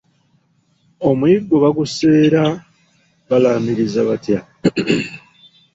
Omuyiggo bagusera balamiiriza batya?